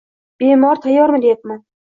Bemor tayyormi, deyapman